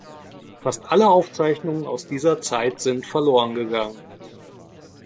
Fast alle Aufzeichnungen aus dieser Zeit sind verloren gegangen.